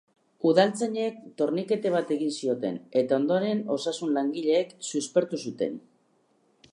Udaltzainek tornikete bat egin zioten, eta ondoren osasun-langileek suspertu zuten.